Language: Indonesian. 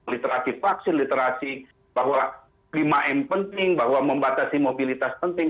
literasi vaksin literasi bahwa lima m penting bahwa membatasi mobilitas penting